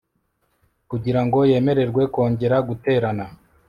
kugira ngo yemererwe kongera guterana